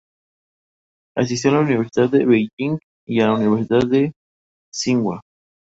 Asistió a la Universidad de Beijing y a la Universidad de Tsinghua.